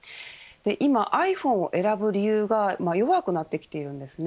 今、ｉＰｈｏｎｅを選ぶ理由は弱くなってきているんです。